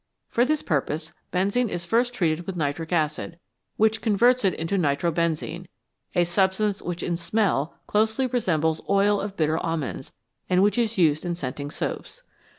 For this purpose benzene is first treated with nitric acid, which converts it into nitro benzene a substance which in smell closely resembles oil of bitter almonds, and which is used in scenting soaps.